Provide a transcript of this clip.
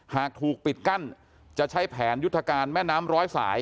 หากถูกปิดกั้นจะใช้แผนยุทธการแม่น้ำร้อยสาย